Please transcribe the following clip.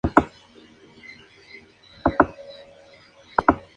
En ese mismo año, le fue concedida la nacionalidad española por carta de naturaleza.